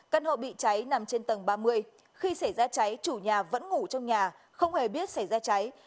căn hộ bị cháy nằm trên tầng ba mươi khi xảy ra cháy chủ nhà vẫn ngủ trong nhà không hề biết xảy ra cháy